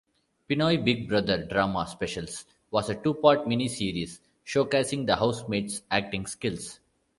"Pinoy Big Brother Drama Specials" was a two-part mini-series showcasing the housemates' acting skills.